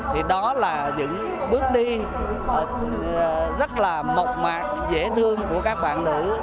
thì đó là những bước đi rất là mộc mạc dễ thương của các bạn nữ